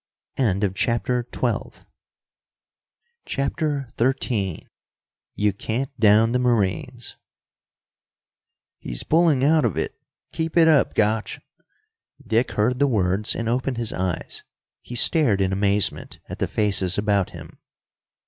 CHAPTER XIII You Can't Down the Marines "He's pulling out of it! Keep it up, Gotch!" Dick heard the words and opened his eyes. He stared in amazement at the faces about him.